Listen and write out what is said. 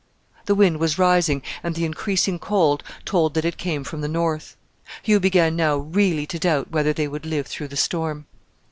The wind was rising, and the increasing cold told that it came from the north. Hugh began now really to doubt whether they would live through the storm.